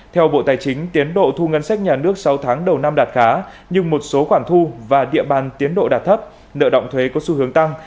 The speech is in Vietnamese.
theo bộ tài chính tiến độ thu ngân sách nhà nước sáu tháng đầu năm đạt khá nhưng một số khoản thu và địa bàn tiến độ đạt thấp nợ động thuế có xu hướng tăng